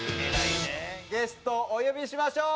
ゲストをお呼びしましょう。